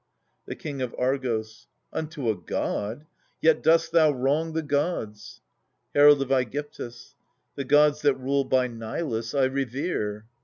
The King of Argos. Unto a god. Yet dost thou wrong the gods. Herald of ^gyptus. The gods that rule by Nilus I revere.